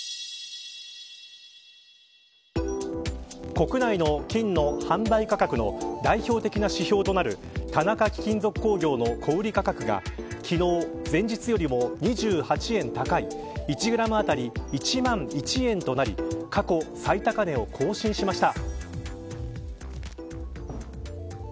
国内の金の販売価格の代表的な指標となる田中貴金属工業の小売価格が昨日、前日よりも２８円高い１グラムあたり１万１円となり過去最高値を更新しました。